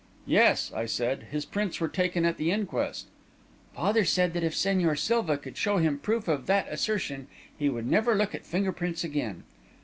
"Yes," I said, "his prints were taken at the inquest." "Father said that if Señor Silva could show him proof of that assertion, he would never look at finger prints again.